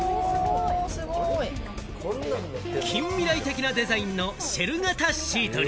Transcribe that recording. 近未来的なデザインのシェル型シートに。